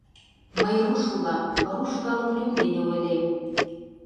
Мый руш улам, руш калык лӱм дене ойлем.